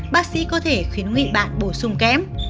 bác sĩ có thể khuyến nghị bạn bổ sung kém